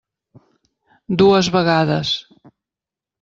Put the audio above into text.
Dues vegades.